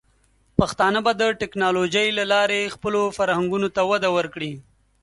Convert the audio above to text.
پښتانه به د ټیکنالوجۍ له لارې خپلو فرهنګونو ته وده ورکړي.